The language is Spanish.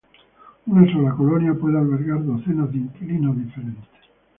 Una sola colonia puede albergar docenas de inquilinos diferentes.